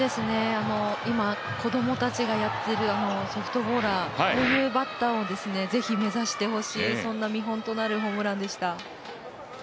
今、子供たちがやっているソフトボーラーこういうバッターを是非、目指してほしいそんな見本となるホームランでした。